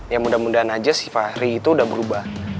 ya mudah mudahan aja sih fahri itu udah berubah